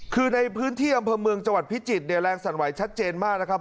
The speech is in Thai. คือในพื้นที่อำเภอเมืองจังหวัดพิจิตรเนี่ยแรงสั่นไหวชัดเจนมากนะครับ